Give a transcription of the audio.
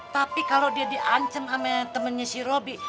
tapi kalau dia di ancam sama temennya si robi